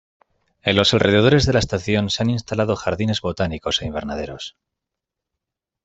En los alrededores de la estación se han instalado jardines botánicos e invernaderos.